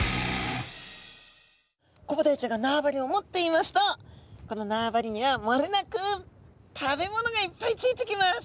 コブダイちゃんが縄張りを持っていますとこの縄張りにはもれなく食べ物がいっぱいついてきます。